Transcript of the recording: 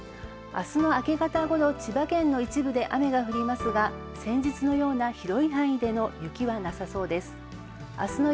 明日の明け方ごろに千葉県の一部で雨が降りますが、先日のような広い範囲での雪はなさそうです。